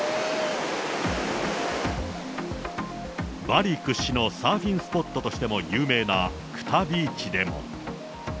バリ屈指のサーフィンスポットとしても有名なクタビーチでも。